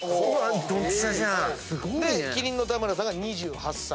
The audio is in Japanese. で麒麟の田村さんが２８歳。